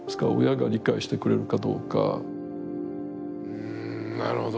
うんなるほど。